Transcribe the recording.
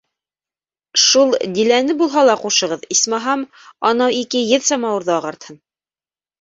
Шул Диләне булһа ла ҡушығыҙ, исмаһам, анау ике еҙ самауырҙы ағартһын.